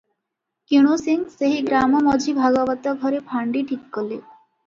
କିଣୁ ସିଂ ସେହି ଗ୍ରାମ ମଝି ଭାଗବତ ଘରେ ଫାଣ୍ଡି ଠିକ କଲେ ।